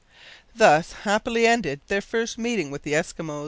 Thus happily ended their first meeting with the Eskimos.